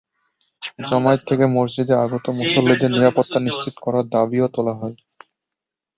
জমায়েত থেকে মসজিদে আগত মুসল্লিদের নিরাপত্তা নিশ্চিত করার দাবিও তোলা হয়।